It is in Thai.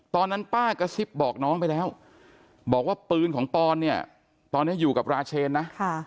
ตอนนั้นป้ากระซิบบอกน้องไปแล้วบอกว่าปืนของปอนเนี่ยตอนนี้อยู่กับราเชนนะ